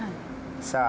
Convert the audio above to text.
さあ